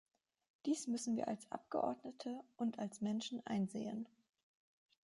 Dies müssen wir als Abgeordnete und als Menschen einsehen.